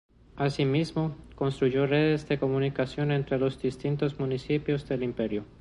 Asimismo, construyó redes de comunicación entre los distintos municipios del imperio.